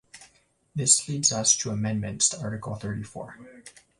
This leads us to amendments to article thirty-four.